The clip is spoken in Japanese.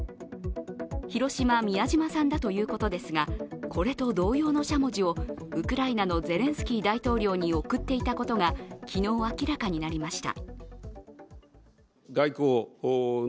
広島・宮島産だということですがこれと同様のしゃもじをウクライナのゼレンスキー大統領に贈っていたことが、昨日明らかになりました。